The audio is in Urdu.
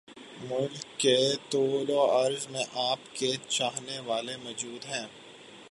ملک کے طول وعرض میں آپ کے چاہنے والے موجود ہیں